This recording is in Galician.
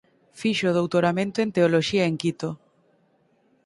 Fixo o doutoramento en Teoloxía en Quito.